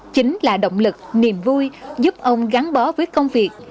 chính là động lực niềm vui giúp ông gắn bó với công việc